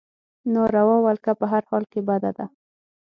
ناروا ولکه په هر حال کې بده ده.